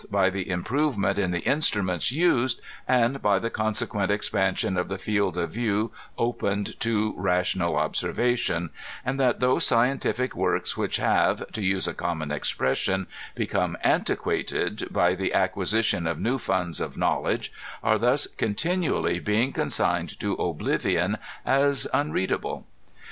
by the improvement in the instruments used, and by the oonr sequent expansion of the field of view opened to rational ob servation, and that those scientific works which have, to use a common expression, become aTUiqtuited by the acquisition of new funds of knowledge, are thus continually, being con signed to oblivion as unreadable.